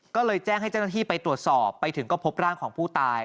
ก็เลยแจ้งให้เจ้าหน้าที่ไปตรวจสอบไปถึงก็พบร่างของผู้ตาย